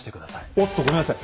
おっとごめんなさい。